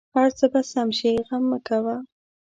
هر څه به سم شې غم مه کوه